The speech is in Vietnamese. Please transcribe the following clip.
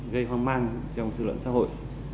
gây hoang mang trong sự luận xã hội